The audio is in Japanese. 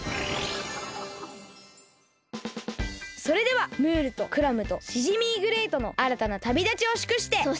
それではムールとクラムとシジミーグレイトのあらたなたびだちをしゅくして！